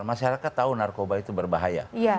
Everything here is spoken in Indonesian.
masyarakat tahu narkoba itu berbahaya